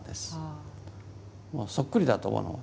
もうそっくりだと思うものを。